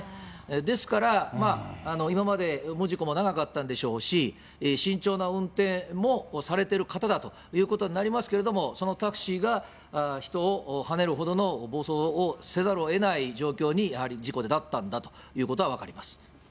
ですから、今まで無事故も長かったんでしょうし、慎重な運転もされてる方だということになりますけれども、そのタクシーが人をはねるほどの暴走をせざるをえない状況に、事故でなったんだということは分かります。